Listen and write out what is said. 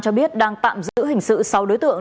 cho biết đang tạm giữ hình sự sáu đối tượng